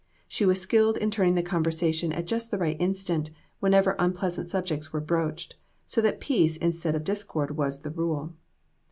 She was skilled in turning the conver sation at just the right instant, whenever unpleas ant subjects were broached, so that peace instead of discord was the rule.